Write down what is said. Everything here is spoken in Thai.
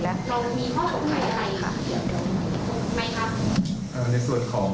เรามีข้อมูลใดใดเกี่ยวกับคุณไหมครับ